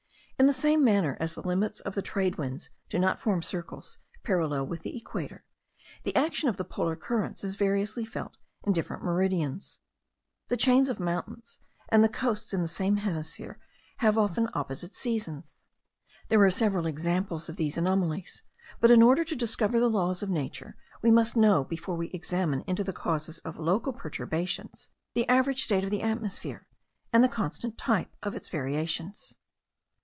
In the same manner as the limits of the trade winds do not form circles parallel with the equator, the action of the polar currents is variously felt in different meridians. The chains of mountains and the coasts in the same hemisphere have often opposite seasons. There are several examples of these anomalies; but, in order to discover the laws of nature, we must know, before we examine into the causes of local perturbations, the average state of the atmosphere, and the constant type of its variations.